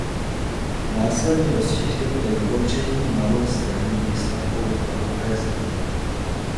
Následně rozšířil i levobřežní Malou Stranu výstavbou Hladové zdi.